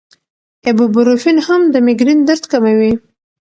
ایبوپروفین هم د مېګرین درد کموي.